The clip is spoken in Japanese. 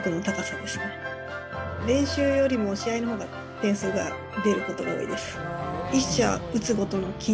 練習よりも試合のほうが点数が出ることが多いです。